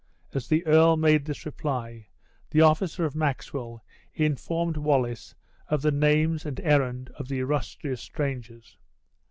As the earl made this reply, the officer of Maxwell informed Wallace of the names and errand of the illustrious strangers.